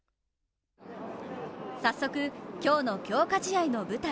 早速、今日の強化試合の舞台